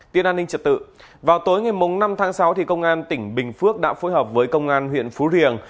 tin an ninh trật tự vào tối ngày năm tháng sáu công an tỉnh bình phước đã phối hợp với công an huyện phú riềng